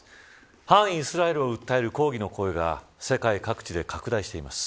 反イスラエルを訴える抗議の声が世界各地で拡大しています。